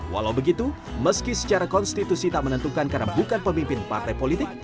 walau begitu meski secara konstitusi tak menentukan karena bukan pemimpin partai politik